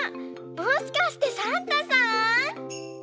もしかしてサンタさん？